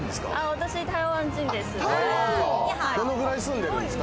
私、台湾人です。